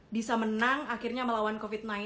bisa menang akhirnya melawan covid sembilan belas